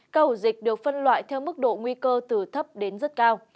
các ổ dịch được phân loại theo mức độ nguy cơ từ thấp đến rất cao